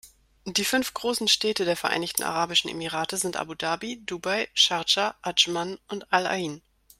Die fünf großen Städte der Vereinigten Arabischen Emirate sind Abu Dhabi, Dubai, Schardscha, Adschman und Al-Ain.